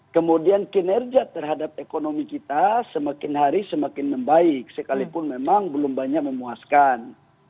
kemudian kinerja terhadap ekonomi kita semakin hari semakin membaik sekalipun memang belum banyak memuaskan